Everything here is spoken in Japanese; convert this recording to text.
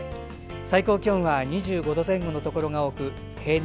最高気温は２５度前後のところが多く平年